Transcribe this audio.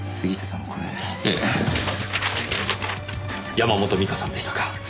山本美香さんでしたか。